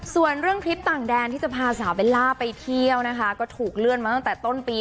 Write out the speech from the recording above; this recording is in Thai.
ส่วนเรื่องทริปต่างแดนที่จะพาสาวเบลล่าไปเที่ยวนะคะก็ถูกเลื่อนมาตั้งแต่ต้นปี